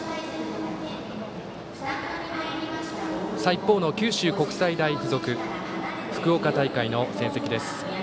一方の九州国際大付属の福岡大会の戦績です。